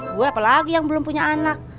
gue apalagi yang belum punya anak